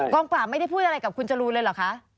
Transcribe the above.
ปราบไม่ได้พูดอะไรกับคุณจรูนเลยเหรอคะ